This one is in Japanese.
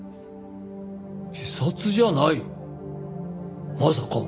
自殺じゃない？まさか。